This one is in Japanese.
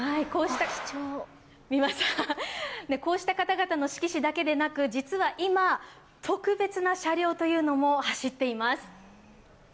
こうした方々の色紙だけでなく実は今、特別な車両というのも走っています。